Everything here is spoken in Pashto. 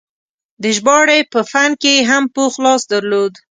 د ژباړې په فن کې یې هم پوخ لاس درلود.